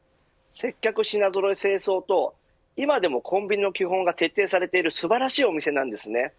接客、品揃え、清掃と今でもコンビニの基本が徹底される素晴らしいお店です。